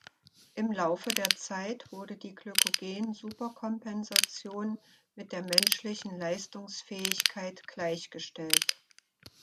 Im Laufe der Zeit wurde die Glykogen–Superkompensation mit der menschlichen Leistungsfähigkeit gleichgestellt.